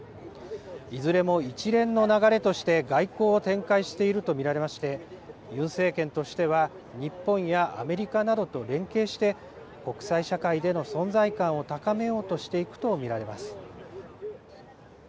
いずれも一連の流れとして、外交を展開していると見られまして、ユン政権としては、日本やアメリカなどと連携して、国際社会での存在感を高めようとしていくと見られます。